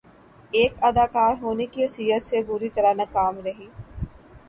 ایک اداکار ہونے کی حیثیت سے بری طرح ناکام رہی